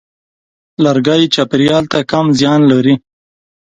لرګی چاپېریال ته کم زیان لري.